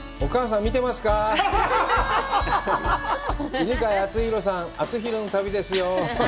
犬飼貴丈さん、貴丈の旅ですよ。